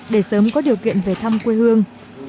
để sớm có điều kiện về thăm quê hương